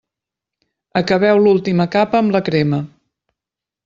Acabeu l'última capa amb la crema.